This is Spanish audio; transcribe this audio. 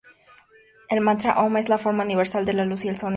El mantra "om" es la forma universal de la luz y el sonido.